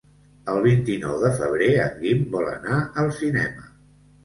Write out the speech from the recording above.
El vint-i-nou de febrer en Guim vol anar al cinema.